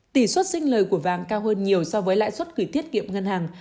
tỷ suất sinh lời của vàng cao hơn nhiều so với lãi suất gửi tiết kiệm ngân hàng